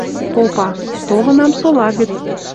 Попа: «Толынам сола гӹц